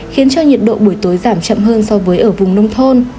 khiến cho nhiệt độ buổi tối giảm chậm hơn so với ở vùng nông thôn